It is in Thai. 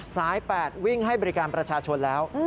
สาย๘วิ่งให้บริการประชาชนแล้ว